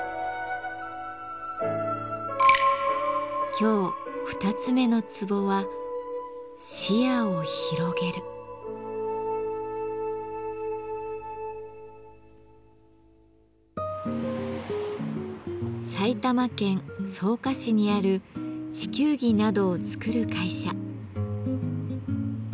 今日二つ目のツボは埼玉県草加市にある地球儀などを作る会社。